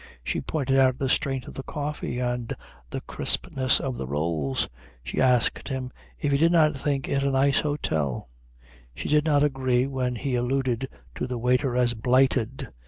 She pointed out the strength of the coffee and the crispness of the rolls. She asked him if he did not think it a nice hôtel. She did not agree when he alluded to the waiter as blighted.